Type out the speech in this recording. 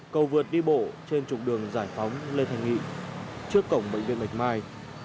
cầu vượt đi bộ trên trục đường giải phóng lê thành nghị trước cổng bệnh viện bạch mai